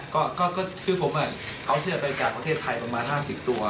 ก็คือผมเอาเสื้อไปจากประเทศไทยประมาณ๕๐ตัว